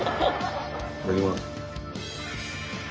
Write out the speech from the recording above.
いただきます。